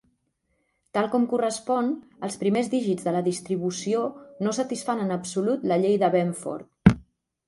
Tal com correspon, els primers dígits de la distribució no satisfan en absolut la llei de Benford.